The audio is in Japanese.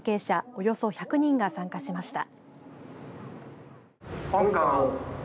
およそ１００人が参加しました。